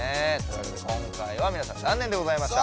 今回はみなさん残念でございました。